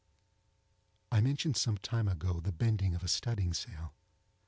I mentioned some time ago the bending of a studding sail.